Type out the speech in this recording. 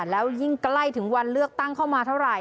แล้วยิ่งใกล้ถึงวันเลือกตั้งเข้ามาเท่าไหร